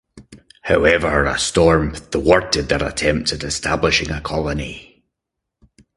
However, a storm thwarted their attempts at establishing a colony.